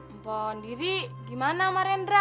empon diri gimana sama rendra